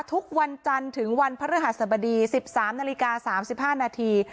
ทุกวันจันทร์ถึงวันพระฤหัสบดี๑๓นาฬิกา๓๕นาที